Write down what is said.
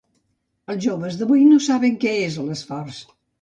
Els joves d'avui no saben què és l'esforç.